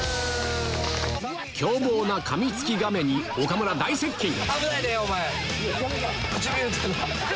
凶暴なカミツキガメに岡村大接近あ。